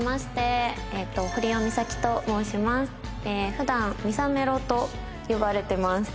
普段みさめろと呼ばれてます。